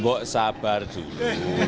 bok sabar dulu